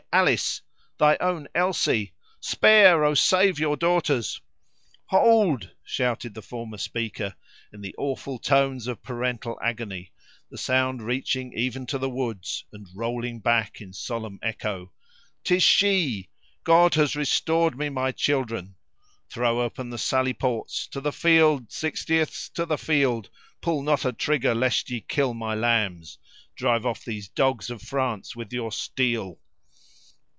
Alice! thy own Elsie! Spare, oh! save your daughters!" "Hold!" shouted the former speaker, in the awful tones of parental agony, the sound reaching even to the woods, and rolling back in solemn echo. "'Tis she! God has restored me to my children! Throw open the sally port; to the field, Sixtieths, to the field; pull not a trigger, lest ye kill my lambs! Drive off these dogs of France with your steel."